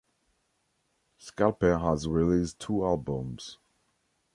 Skalpel has released two albums.